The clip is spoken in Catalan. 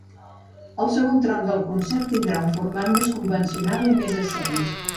El segon tram del concert tindrà un format més convencional i menys escènic.